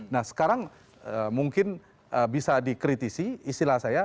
nah sekarang mungkin bisa dikritisi istilah saya